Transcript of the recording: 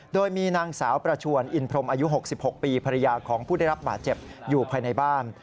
โดยมีนางสาวประชวนอินพรมอายุ๖๖ปีภรรยาของผู้ได้รับบาดเจ็บอยู่ภายในบ้าน